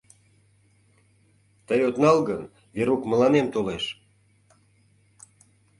Тый от нал гын, Верук мыланем толеш.